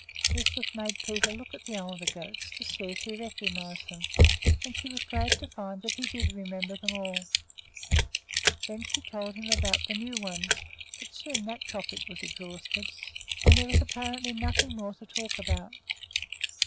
Lisbeth made Peter look at the older goats to see if he recognized them, and she was glad to find that he did remember them all. Then she told him about the new ones; but soon that topic was exhausted and there was apparently nothing more to talk about.